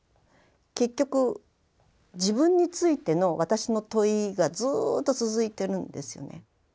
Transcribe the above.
結局自分についての私の問いがずっと続いてるんですよね。